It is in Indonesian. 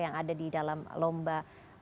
yang ada di dalam lomba